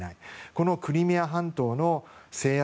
このクリミア半島の制圧